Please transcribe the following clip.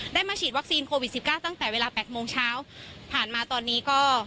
มาฉีดวัคซีนโควิดสิบเก้าตั้งแต่เวลาแปดโมงเช้าผ่านมาตอนนี้ก็